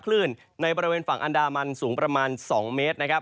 คลื่นในบริเวณฝั่งอันดามันสูงประมาณ๒เมตรนะครับ